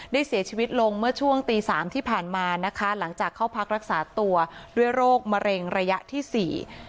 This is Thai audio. ได้เสียชีวิตลงเมื่อช่วงตีสามที่ผ่านมานะคะหลังจากเข้าพักรักษาตัวด้วยโรคมะเร็งระยะที่สี่